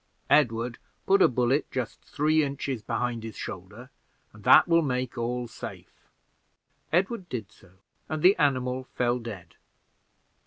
Edward, put a bullet just three inches behind his shoulder, and that will make all safe." Edward did so, and the animal fell dead.